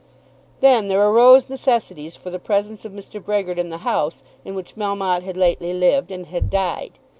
Then there arose necessities for the presence of Mr. Brehgert in the house in which Melmotte had lately lived and had died.